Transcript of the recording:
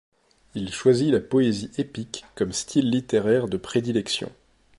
Il choisit la poésie épique comme style littéraire de prédilection.